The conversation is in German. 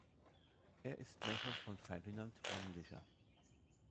Er ist Neffe von Ferdinand Mannlicher.